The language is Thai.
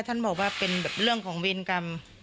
ท่านบอกว่าเป็นแบบเรื่องของเวรกรรม